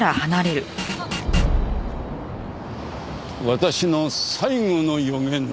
私の最後の予言だ。